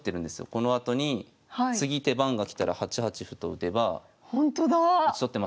このあとに次手番が来たら８八歩と打てば。